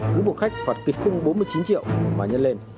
cứu buộc khách phạt kịch khung bốn mươi chín triệu mà nhân lên